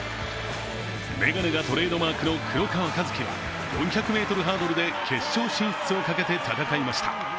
眼鏡がトレードマークの黒川和樹は４００ｍハードルで決勝進出をかけて戦いました。